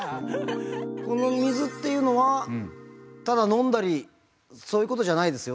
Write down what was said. この水っていうのはただ飲んだりそういうことじゃないですよね？